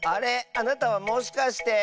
あなたはもしかして。